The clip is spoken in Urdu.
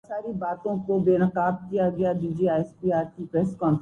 سڑکوں اور پلوں سے سوچ نہیں بنتی۔